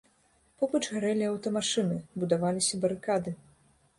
Побач гарэлі аўтамашыны, будаваліся барыкады.